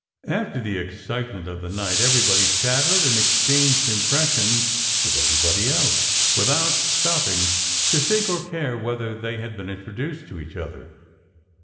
After the excitement of the night, everybody chattered and exchanged impres sions with everybody else, without stopping to think or care whether they had been introduced to each other.